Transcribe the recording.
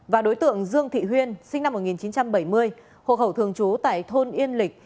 và đối tượng dương thị huyên sinh năm một nghìn chín trăm bảy mươi hộ khẩu thường trú tại thôn yên lịch